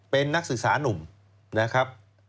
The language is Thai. เป็นนักศึกษานุ่มนะครับ